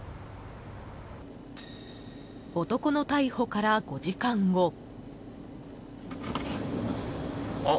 男の逮捕から５時間後。